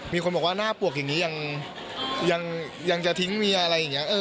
มีคนบอกว่าหน้าปวกอย่างนี้ยังจะทิ้งเมียอะไรอย่างนี้